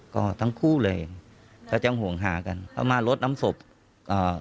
ก็ทั้งคู่เลยก็ยังห่วงหากันเขามาลดน้ำศพอ่า